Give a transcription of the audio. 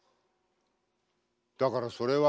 だからそれは。